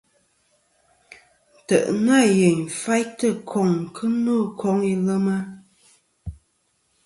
Ntè' nâ yèyn faytɨ koŋ kɨ no koŋ ilema.